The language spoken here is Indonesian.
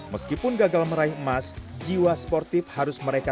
meskipun gagal meraih emas jiwa sportif harus mereka